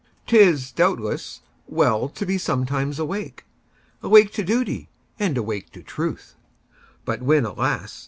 'T is, doubtless, well to be sometimes awake,—Awake to duty, and awake to truth,—But when, alas!